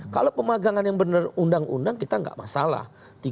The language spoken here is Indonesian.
kalau pemagangan yang bener undang undang kita gak masalah